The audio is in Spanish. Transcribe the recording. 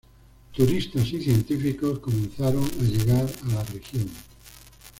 Turistas y científicos comenzaron a llegar a la región.